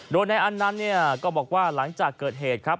โดยในอันนั้นเนี่ยก็บอกว่าหลังจากเกิดเหตุครับ